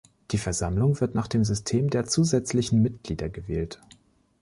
Die Versammlung wird nach dem System der zusätzlichen Mitglieder gewählt.